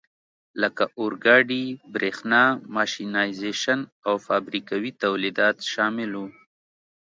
لکه اورګاډي، برېښنا، ماشینایزېشن او فابریکوي تولیدات شامل وو.